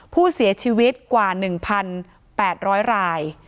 ผู้เสียชีวิตกว่า๑๘๐๐ราย